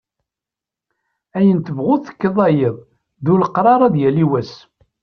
Ayen tebɣuḍ tekkeḍ ay iḍ, d ulaqrar ad yali wass.